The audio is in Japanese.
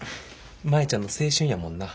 舞ちゃんの青春やもんな。